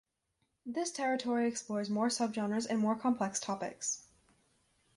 This territory explores more subgenres and more complex topics.